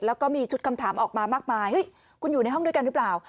แล้วก็มีชุดคำถามออกมามากมายเฮ้ยคุณอยู่ในห้องด้วยกันหรือเปล่า